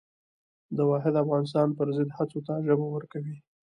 د واحد افغانستان پر ضد هڅو ته ژبه ورکوي.